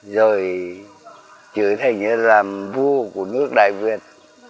rồi trở thành là vua của nước đại việt